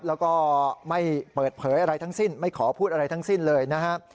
แล้วก็ไม่เปิดเผยอะไรทั้งสิ้นไม่ขอพูดอะไรทั้งสิ้นเลยนะครับ